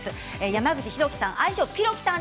山口裕輝さん